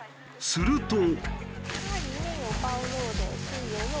すると。